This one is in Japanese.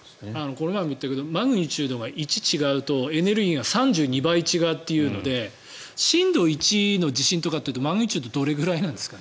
この前も言ったけどマグニチュードが１違うとエネルギーが３２倍違うというので震度１の地震とかってマグニチュードどれくらいなんですか？